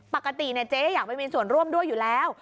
ปกติเจ๊อยากไปมีส่วนร่วมด้วยอยู่แล้ว